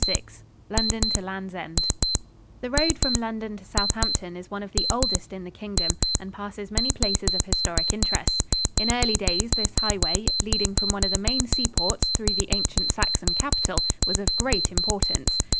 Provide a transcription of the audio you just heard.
VI LONDON TO LAND'S END The road from London to Southampton is one of the oldest in the Kingdom and passes many places of historic interest. In early days this highway, leading from one of the main seaports through the ancient Saxon capital, was of great importance.